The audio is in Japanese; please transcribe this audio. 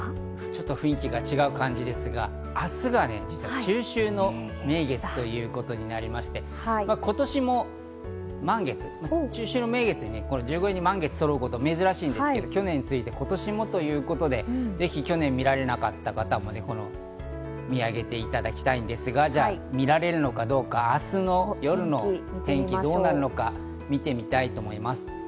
ちょっと雰囲気が違う感じですが、明日が実は中秋の名月ということになりまして、今年も満月、中秋の名月にね、十五夜に満月がそろうことは珍しいんですけど、去年に続いて今年もということで、ぜひ去年見られなかった方も空を見上げていただきたいんですが、じゃあ見られるのかどうか明日の夜の天気、どうなるのか見てみたいと思います。